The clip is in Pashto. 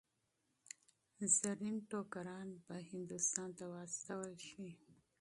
زرین ټوکران به هندوستان ته واستول شي.